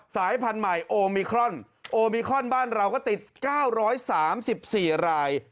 สายพันธุ์ใหม่โอมิครอนโอมิครอนบ้านเราก็ติดเก้าร้อยสามสิบสี่ราย